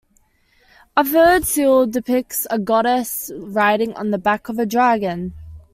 A third seal depicts a goddess riding on the back of a dragon.